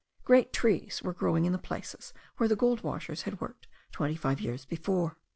Great trees were growing in the places where the gold washers had worked twenty years before.